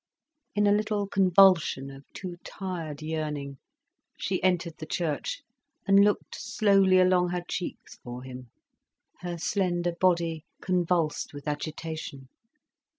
In a little convulsion of too tired yearning, she entered the church and looked slowly along her cheeks for him, her slender body convulsed with agitation.